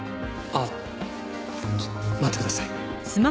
あっちょ待ってください。